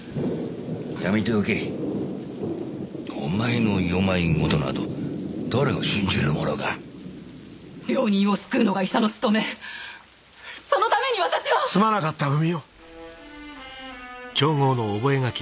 やめておけお前の世まい言など誰が信じるものか病人を救うのが医者の務めそのために私はすまなかった文代